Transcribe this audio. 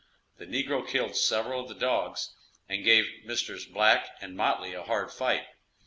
The negro killed several of the dogs, and gave Messrs. Black and Motley a hard fight.